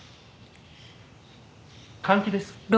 換気です。